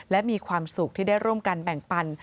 และมีความสุขที่ได้ร่วมกันแบ่งปัน